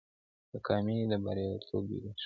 اکامي د بریالیتوب لوی لارښود دی.